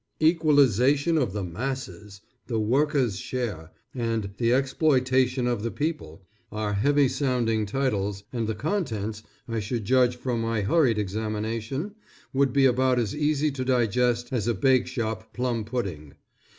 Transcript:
"Equalization of the Masses," "The Worker's Share," and "The Exploitation of the People," are heavy sounding titles, and the contents, I should judge from my hurried examination, would be about as easy to digest as a bake shop plum pudding.